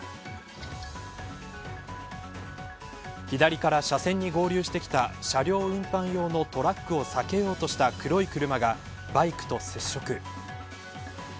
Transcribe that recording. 左から車線に合流してきた車両運搬用のトラックを避けようとした黒い車がバイクと接触。